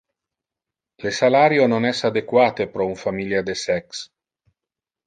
Le salario non es adequate pro un familia de sex.